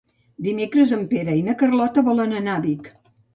Dimecres en Pere i na Carlota volen anar a Vic.